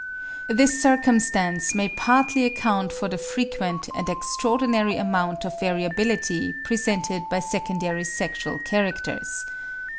This circumstance may partly account for the frequent and extraordinary amount of variability presented by secondary sexual characters.